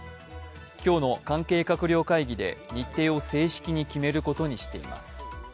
今日の関係閣僚会議で日程を正式に決めることにしています。